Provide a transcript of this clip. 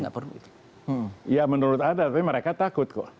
ya menurut saya ada tapi mereka takut kok